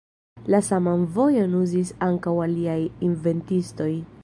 La saman vojon uzis ankaŭ aliaj inventistoj.